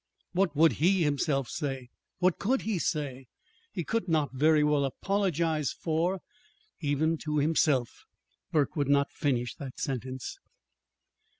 What would he himself say? What could he say? He could not very well apologize for Even to himself Burke would not finish the sentence.